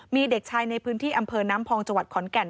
มีเด็กชายในพื้นที่อำเภอน้ำพองจังหวัดขอนแก่น